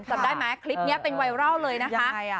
จำได้ไหมคลิปนี้เป็นไวรัลเลยนะคะ